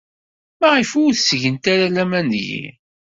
Maɣef ur ttgent ara laman deg-i?